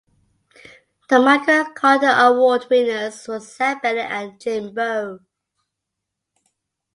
The Michael Carter Award winners were Sam Bennett and Jin Bo.